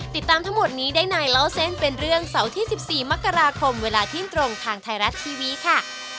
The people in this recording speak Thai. ติดตามทั้งหมดนี้ได้ในเล่าเส้นเป็นเรื่องเสาร์ที่๑๔มกราคมเวลาเที่ยงตรงทางไทยรัฐทีวีค่ะ